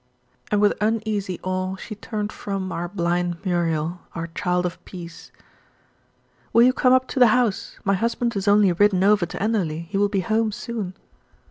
And with uneasy awe she turned from our blind Muriel, our child of peace. "Will you come up to the house? my husband has only ridden over to Enderley; he will be home soon."